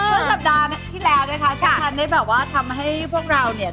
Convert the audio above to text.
วันสัปดาห์ที่แล้วหรือคะคันได้แบบว่าทำให้พวกเราเนี่ย